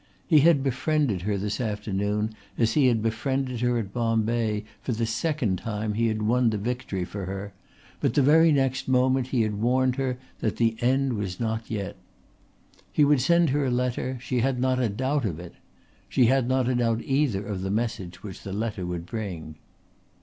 He had befriended her this afternoon as he had befriended her at Bombay, for the second time he had won the victory for her; but the very next moment he had warned her that the end was not yet. He would send her a letter, she had not a doubt of it. She had not a doubt either of the message which the letter would bring.